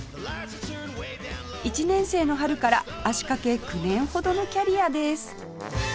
１年生の春から足掛け９年ほどのキャリアです